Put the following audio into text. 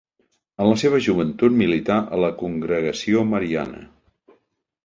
En la seva joventut milità a la Congregació Mariana.